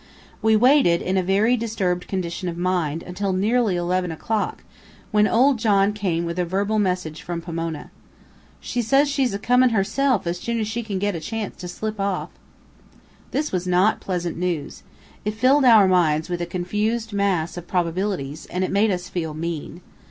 We waited, in a very disturbed condition of mind, until nearly eleven o'clock, when old John came with a verbal message from Pomona: "She says she's a comin' herself as soon as she can get a chance to slip off." This was not pleasant news. It filled our minds with a confused mass of probabilities, and it made us feel mean.